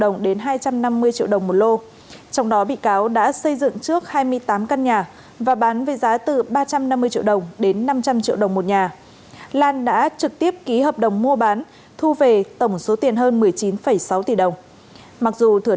nhưng giấy trực tiếp ký hợp đồng mua bán thu về tổng số tiền hơn một mươi chín sáu tỷ đồng